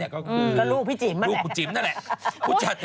ก็คือลูกคุณจิ๋มนั่นแหละ